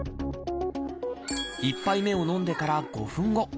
１杯目を飲んでから５分後。